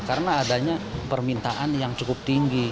karena adanya permintaan yang cukup tinggi